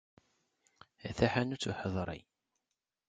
A taḥanut uḥeḍri.